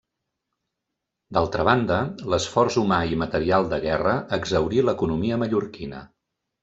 D'altra banda l'esforç humà i material de guerra exhaurí l'economia mallorquina.